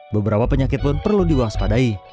beberapa penyakit pun perlu diwaspadai